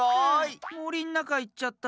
もりんなかいっちゃった。